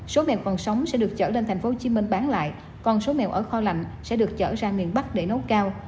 số mèo còn sống sẽ được trở lên tp hcm bán lại còn số mèo ở kho lạnh sẽ được chở ra miền bắc để nấu cao